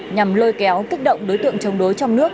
nhằm lôi kéo kích động đối tượng chống đối trong nước